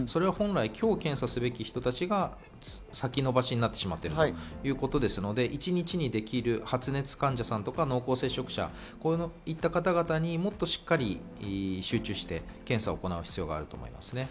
本来、今日検査すべき人たちが先延ばしになってしまっているということですので、一日にできる発熱患者さんとか濃厚接触者、こういった方々にもっと集中して検査を行う必要があると思います。